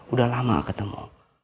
udah lama gak ketemu